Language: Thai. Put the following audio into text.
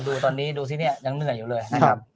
ดูตอนนี้ดูซิเนี่ยยังเหนื่อยอยู่เลยนะครับ